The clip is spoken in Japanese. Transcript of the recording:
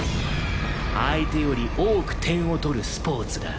相手より多く点を取るスポーツだ。